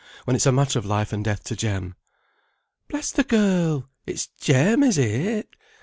When it's a matter of life and death to Jem?" "Bless the girl! It's Jem, is it?